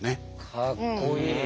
かっこいい。